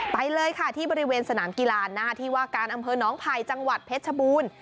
ไปเลยค่ะที่บริเวณสนามกีฬาหน้าที่ว่าการอำเภอน้องไผ่จังหวัดเพชรชบูรณ์